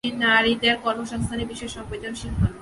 তিনি নারীদের কর্মসংস্থানের বিষয়ে সংবেদনশীল হন।